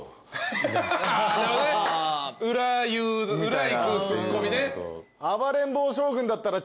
裏いくツッコミね。